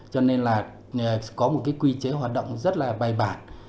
cho nên là có một cái quy chế hoạt động rất là bài bản